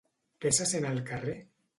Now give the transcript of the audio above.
Què se sent al carrer?